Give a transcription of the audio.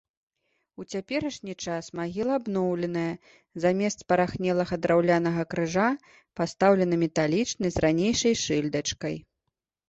У цяперашні час магіла абноўленая, замест спарахнелага драўлянага крыжа пастаўлены металічны з ранейшай шыльдачкай.